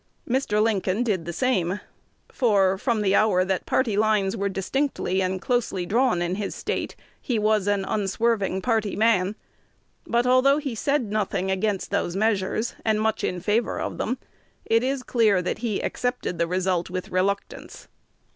Mr. Lincoln did the same; for, from the hour that party lines were distinctly and closely drawn in his State, he was an unswerving party man. But although he said nothing against those measures, and much in favor of them, it is clear that he accepted the result with reluctance.